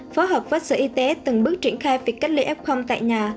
phối hợp với sở y tế từng bước triển khai việc cách ly f tại nhà